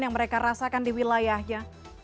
yang mereka rasakan di wilayahnya